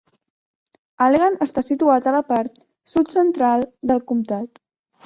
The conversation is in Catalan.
Allegan està situat a la part sud-central del comtat.